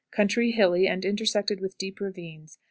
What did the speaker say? Country hilly, and intersected with deep ravines.